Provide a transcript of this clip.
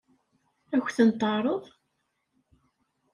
Ad k-ten-teɛṛeḍ?